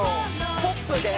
ポップで」